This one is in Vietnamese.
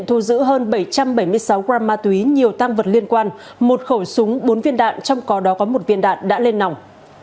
thu giữ hơn bảy trăm bảy mươi sáu gram ma túy nhiều tam vật liên quan một khẩu súng bốn viên đạn trong cò đó có một viên đạn đã lên nòng